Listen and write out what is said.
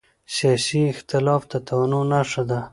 سیاسي اختلاف د تنوع نښه ده